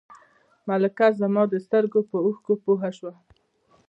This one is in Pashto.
ملکه زما د سترګو په اوښکو پوه شوه.